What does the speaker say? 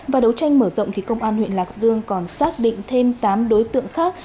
và đấu tranh mở rộng thì công an huyện lạc dương còn xác định thêm tám đối tượng khác